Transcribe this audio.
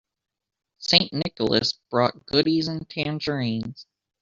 St. Nicholas brought goodies and tangerines.